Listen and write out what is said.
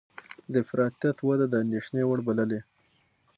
د افراطیت وده د اندېښنې وړ بللې